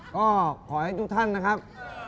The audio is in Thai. ก็ขอให้ทุกท่านนะครับ